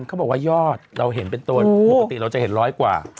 เขาบอกว่ายอดเราเห็นเป็นตัวปกติเราจะเห็นร้อยกว่า